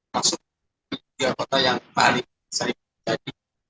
masuk di tiga kota yang tadi sering jadi